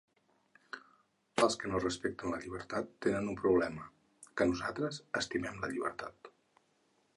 Els que no respecten la llibertat, tenen un problema, que nosaltres estimem la llibertat.